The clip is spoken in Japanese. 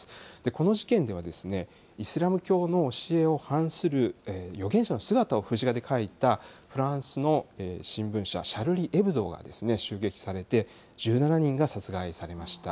この事件では、イスラム教の教えを反する預言者の姿を風刺画で描いた、フランスの新聞社、シャルリ・エブドが襲撃されて、１７人が殺害されました。